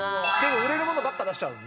売れるものばっか出しちゃうんで。